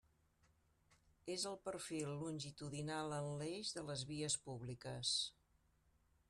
És el perfil longitudinal en l'eix de les vies públiques.